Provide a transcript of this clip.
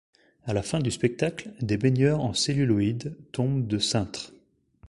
À la fin du spectacle, des baigneurs en celluloïd tombent de cintres.